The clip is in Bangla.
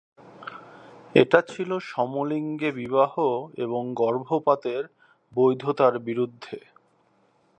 এটা ছিল সমলিঙ্গে বিবাহ এবং গর্ভপাতের বৈধতার বিরুদ্ধে।